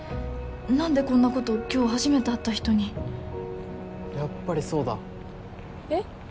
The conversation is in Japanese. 何でこんなこと今日初めて会った人にやっぱりそうだえっ？